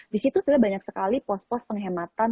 di situ sebenarnya banyak sekali pos pos penghematan